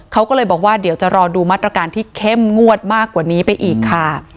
เขาก็เลยบอกว่าเดี๋ยวจะรอดูมาตรการที่เข้มงวดมากกว่านี้ไปอีกค่ะ